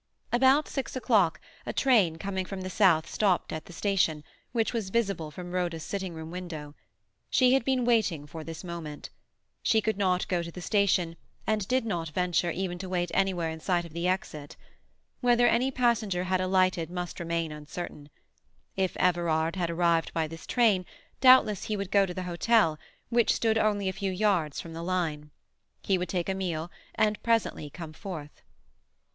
About six o'clock a train coming from the south stopped at the station, which was visible from Rhoda's sitting room window. She had been waiting for this moment. She could not go to the station, and did not venture even to wait anywhere in sight of the exit. Whether any passenger had alighted must remain uncertain. If Everard had arrived by this train, doubtless he would go to the hotel, which stood only a few yards from the line. He would take a meal and presently come forth.